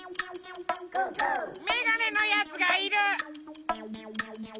メガネのやつがいる。